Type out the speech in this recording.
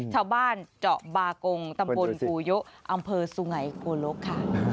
ชาวบ้านเจาะบากงตำบลภูยุอำเภอสุไงโกลกค่ะ